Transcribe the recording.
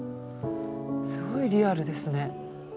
すごいリアルですね。